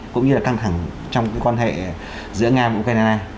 cũng như là căng thẳng trong quan hệ giữa nga và ukraine